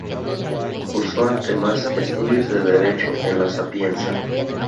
Cursó, además, estudios de derecho en La Sapienza.